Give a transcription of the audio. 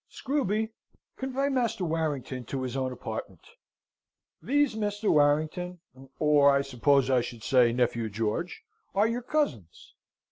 Screwby, convey Master Warrington to his own apartment! These, Mr. Warrington or, I suppose I should say nephew George are your cousins."